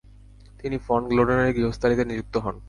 তিনি ফন গ্লোডেনের গৃহস্থালিতে নিযুক্ত হন।